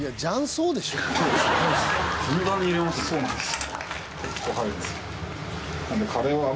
そうなんです。